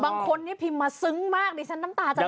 บางคนนี่ผิมซึ้งมากดิฉันน้ำตาจะไหล